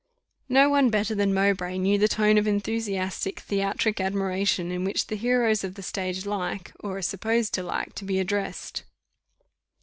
No one better than Mowbray knew the tone of enthusiastic theatric admiration in which the heroes of the stage like, or are supposed to like, to be addressed.